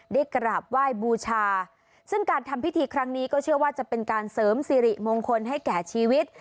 ได้กราบไหว้บูชาซึ่งการทำพิธีครั้งนี้ก็เชื่อว่าจะเป็นการเสริมสิริมงคลให้แก่ชีวิต